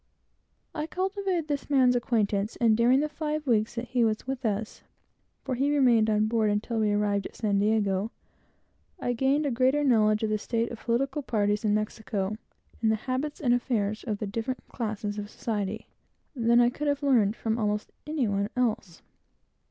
I cultivated this man's acquaintance, and during the five weeks that he was with us, for he remained on board until we arrived at San Diego, I gained a greater knowledge of the state of political parties in Mexico, and the habits and affairs of the different classes of society, than I could have learned from almost any one else.